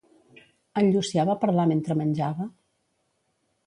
En Llucià va parlar mentre menjava?